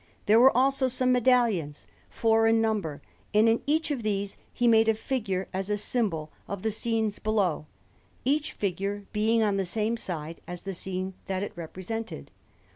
There were also some medallions, four in number, and in each of these he made a figure as a symbol of the scenes below, each figure being on the same side as the scene that it represented.